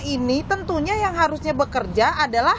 ini tentunya yang harusnya bekerja adalah